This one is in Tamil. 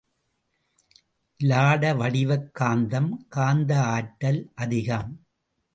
இலாட வடிவக் காந்தம் காந்த ஆற்றல் அதிகம்.